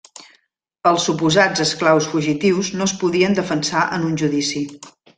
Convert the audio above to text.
Els suposats esclaus fugitius no es podien defensar en un judici.